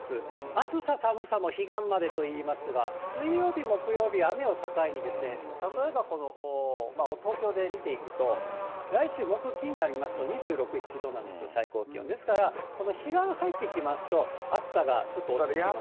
暑さ寒さも彼岸までといいますが、水曜日、木曜日、雨を境に、例えばこの東京で見ていくと、来週木、金になりますと２６、７度なんですよ、最高気温、ですから、この彼岸入ってきますと、暑さがちょっと落ち着きます。